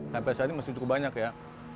sampah ini masih cukup banyak ya